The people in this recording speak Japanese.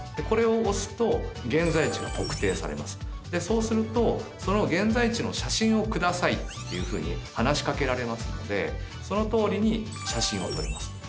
これを押すと現在地が特定されますでそうするとその現在地の写真をくださいっていうふうに話かけられますのでそのとおりに写真をとります